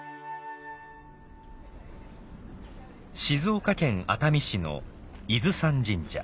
静岡県熱海市の伊豆山神社。